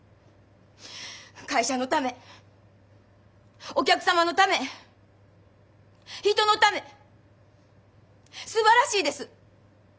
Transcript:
会社のためお客様のため人のためすばらしいです。